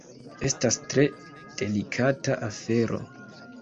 Estas tre delikata afero.